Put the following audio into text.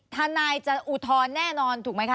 ทนายจะอุทธรณ์แน่นอนถูกไหมคะ